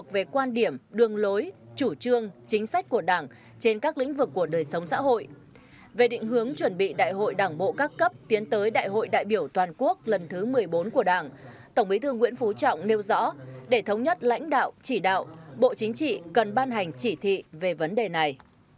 vì đại hội đảng bộ các cấp tiến tới đại hội đại biểu toàn quốc lần thứ một mươi bốn của đảng tổng bí thư nguyễn phú trọng nêu rõ để thống nhất lãnh đạo chỉ đạo bộ chính trị cần ban hành chỉ thị về vấn đề này